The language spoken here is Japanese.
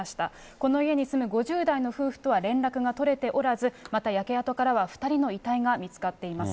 この家に住む５０代の夫婦とは連絡が取れておらず、また焼け跡からは２人の遺体が見つかっています。